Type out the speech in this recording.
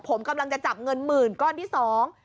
ผมกำลังจะจับเงินหมื่นก้อนที่สอง